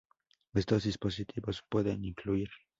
Estos dispositivos pueden incluir